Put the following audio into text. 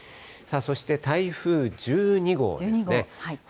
そして台風１２号ですね。